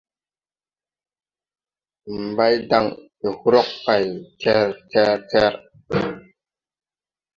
Mbaydan de hrog pay ter! Ter! ter!